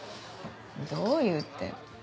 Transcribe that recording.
どういうって。